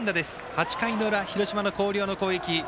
８回の裏、広島の広陵の攻撃。